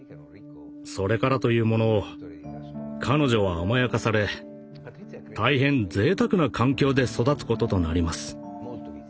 それからというもの彼女は甘やかされ大変ぜいたくな環境で育つこととなります。